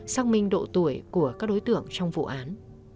xác minh độ tuổi của các đối tượng trong vụ án